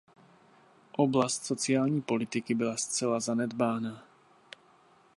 Oblast sociální politiky byla zcela zanedbána.